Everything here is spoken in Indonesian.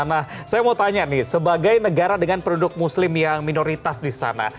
nah saya mau tanya nih sebagai negara dengan penduduk muslim yang minoritas di sana